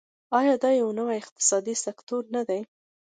آیا دا یو نوی اقتصادي سکتور نه دی؟